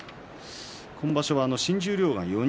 今場所は新十両が４人。